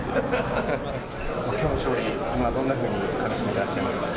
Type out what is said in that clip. きょうの勝利、今どんなふうにかみしめていらっしゃいますか。